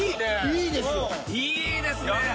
いいですねやる